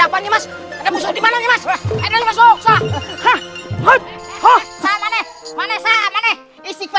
kita tidak sudah dapat ny devi